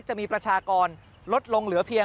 กลับวันนั้นไม่เอาหน่อย